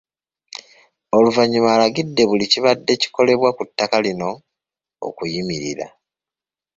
Oluvannyuma alagidde buli kibadde kukolebwa ku ttaka lino okuyimirira